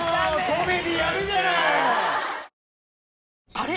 あれ？